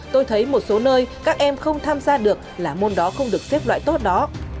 tôi thấy một số nơi các em không tham gia được là môn đó không được xếp loại tốt đó